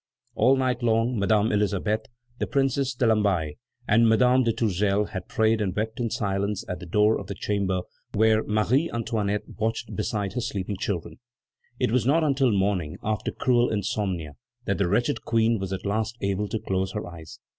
All night long, Madame Elisabeth, the Princess de Lamballe, and Madame de Tourzel had prayed and wept in silence at the door of the chamber where Marie Antoinette watched beside her sleeping children. It was not until morning, after cruel insomnia, that the wretched Queen was at last able to close her eyes.